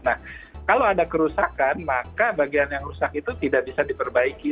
nah kalau ada kerusakan maka bagian yang rusak itu tidak bisa diperbaiki